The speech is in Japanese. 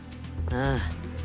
ああ。